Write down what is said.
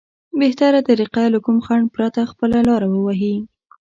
بهتره طريقه له کوم خنډ پرته خپله لاره ووهي.